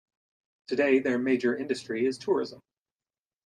Today their major industry is tourism.